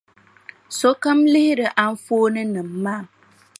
Sokam lihiri anfooninima maa.